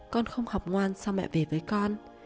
con không học ngoan sao mẹ về với con